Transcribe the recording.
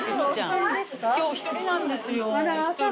今日１人なんですよ。